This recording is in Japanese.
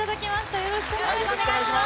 よろしくお願いします。